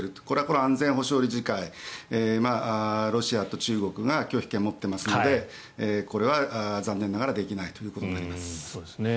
これは安全保障理事会ロシアと中国が拒否権を持っていますのでこれは残念ながらできないということになります。